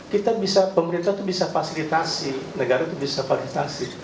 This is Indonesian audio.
kita bisa pemerintah itu bisa fasilitasi negara itu bisa fasilitasi